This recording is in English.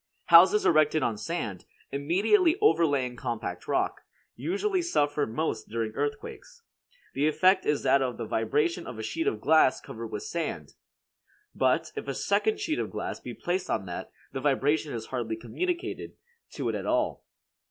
Houses erected on sand, immediately overlaying compact rock, usually suffer most during earthquakes. The effect is that of the vibration of a sheet of glass covered with sand. But, if a second sheet of glass be placed on that, the vibration is hardly communicated to it at all.